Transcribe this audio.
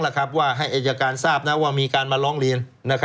ว่าให้อายการทราบว่ามีการมาร้องเรียน